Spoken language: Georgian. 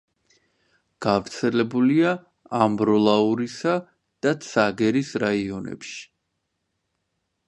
გავრცელებულია ამბროლაურისა და ცაგერის რაიონებში.